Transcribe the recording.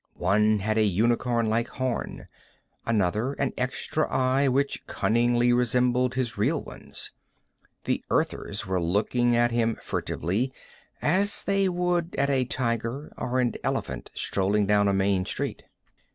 One had a unicorn like horn; another, an extra eye which cunningly resembled his real ones. The Earthers were looking at him furtively, as they would at a tiger or an elephant strolling down a main street.